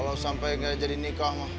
kalau sampai tidak jadi nikah mah